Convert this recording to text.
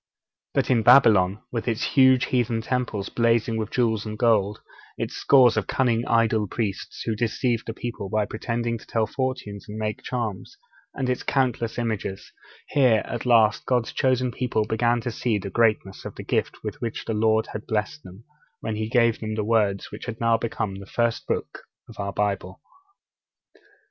But in Babylon, with its huge heathen temples blazing with jewels and gold, its scores of cunning idol priests, who deceived the people by pretending to tell fortunes and make charms, and its countless images, here, at last, God's chosen people began to see the greatness of the gift with which the Lord had blessed them, when He gave them the words which have now become the first books of our Bible.